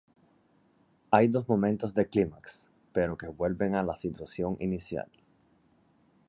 Hay dos momentos de clímax pero que vuelven a la situación inicial.